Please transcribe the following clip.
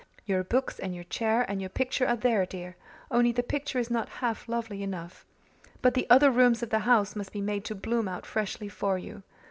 Your books and your chair and your picture are there, dear only the picture is not half lovely enough. But the other rooms of the house must be made to bloom out freshly for you.